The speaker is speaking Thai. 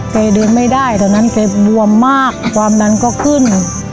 เกรดืมไม่ได้ตอนนั้นเกรดว่ำมากความดันก็ขึ้น